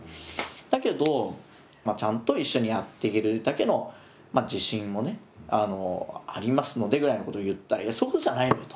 だけど「ちゃんと一緒にやっていけるだけの自信もねありますので」ぐらいのことを言ったら「そうじゃないのよ」と。